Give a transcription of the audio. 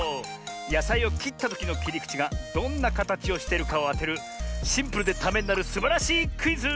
やさいをきったときのきりくちがどんなかたちをしてるかをあてるシンプルでためになるすばらしいクイズ！